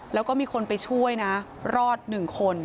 แล้วก็มีคนไปช่วยนะรอด๑คน